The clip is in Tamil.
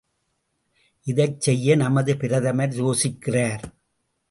இதைச் செய்ய நமது பிரதமர் யோசிக்கிறார்!